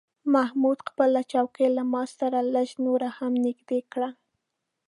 محمود خپله چوکۍ له ما سره لږه نوره هم نږدې کړه.